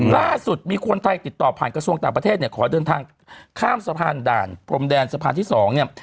ล่าสุดมีคนไทยติดต่อผ่านกระทรวงต่างประเทศเนี่ยขอเดินทางข้ามสะพานด่านพรมแดนสะพานที่๒เนี่ย